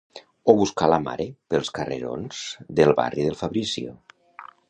O buscar la mare pels carrerons del barri del Fabrizio.